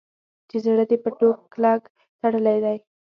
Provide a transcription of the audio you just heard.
چې زړه دې په ټوک کلک تړلی دی.